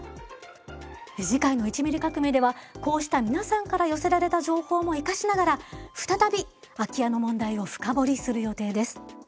次回の「１ミリ革命」ではこうした皆さんから寄せられた情報も生かしながら再び空き家の問題を深掘りする予定です。